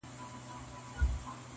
• چي ښوونکي او ملا به را ښودله -